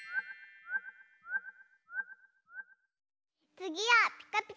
つぎは「ピカピカブ！」だよ。